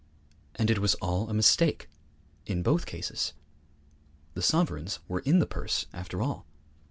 And it was all a mistake in both cases. The sovereigns were in the purse after all.